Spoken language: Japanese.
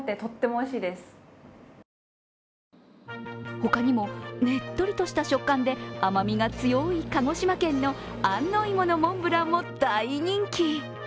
他にも、ねっとりとした食感で甘みが強い鹿児島県の安納芋のモンブランも大人気。